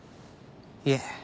いえ。